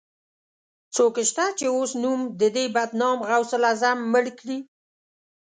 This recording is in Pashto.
څوک شته، چې اوس نوم د دې بدنام غوث العظم مړ کړي